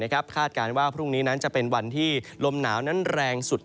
คาดการณ์ว่าพรุ่งนี้นั้นจะเป็นวันที่ลมหนาวนั้นแรงสุด